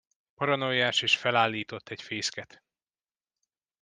Paranoiás és felállított egy fészket.